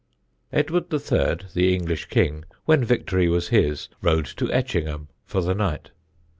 Edward III., the English king, when victory was his, rode to Etchingham for the night.